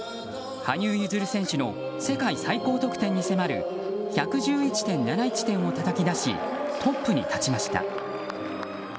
羽生結弦選手の世界最高得点に迫る１１１．７１点をたたき出しトップに立ちました。